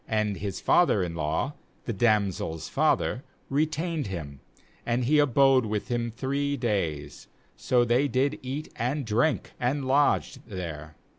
4And his father in law, the damsel's father, retained him; and he abode with him three days; so they did eat and drink, and lodged there.